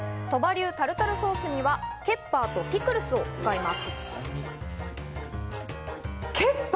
鳥羽流タルタルソースにはケッパーとピクルスを使います。